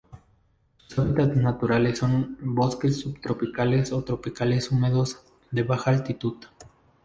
Sus hábitats naturales son bosques subtropical o tropicales húmedos, de baja altitud.